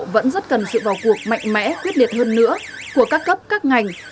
vẫn rất cần sự vào cuộc mạnh mẽ quyết liệt hơn nữa của các cấp các ngành